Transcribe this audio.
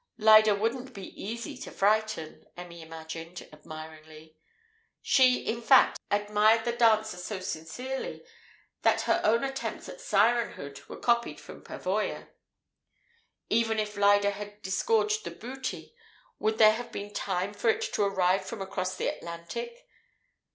Lyda wouldn't be easy to frighten, Emmy imagined, admiringly. (She, in fact, admired the dancer so sincerely, that her own attempts at sirenhood were copied from Pavoya.) Even if Lyda had disgorged the booty, would there have been time for it to arrive from across the Atlantic?